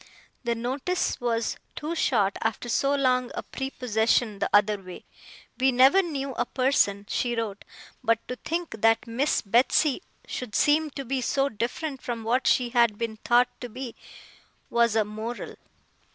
The notice was too short after so long a prepossession the other way. We never knew a person, she wrote; but to think that Miss Betsey should seem to be so different from what she had been thought to be, was a Moral!